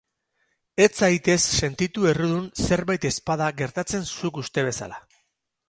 Ez zaitez sentitu errudun zerbait ez bada gertatzen zuk uste bezala.